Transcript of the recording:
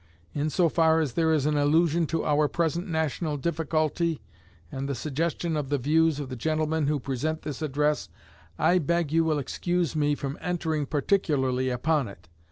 In so far as there is an allusion to our present national difficulty, and the suggestion of the views of the gentlemen who present this address, I beg you will excuse me from entering particularly upon it.